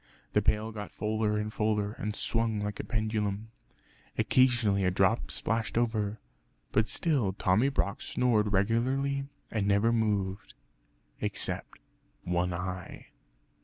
The pail got fuller and fuller, and swung like a pendulum. Occasionally a drop splashed over; but still Tommy Brock snored regularly and never moved, except one eye.